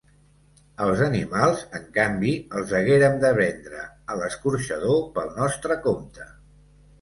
Els animals, en canvi, els haguérem de vendre a l’escorxador pel nostre compte.